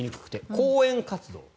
講演活動。